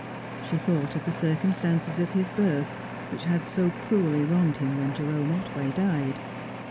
She thought of the circumstances of his birth, which had so cruelly wronged him when Jerome Otway died.